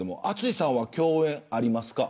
淳さんは共演ありますか。